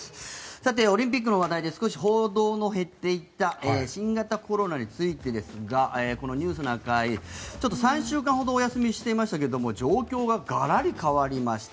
さて、オリンピックの話題で少し報道の減っていた新型コロナについてですがこの「ニュースな会」ちょっと３週間ほどお休みしていましたが状況ががらりと変わりました。